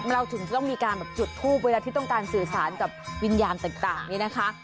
เราถึงจะต้องมีการแบบจุดทูปเวลาที่ต้องการสื่อสารกับวิญญาณต่างนี่นะคะ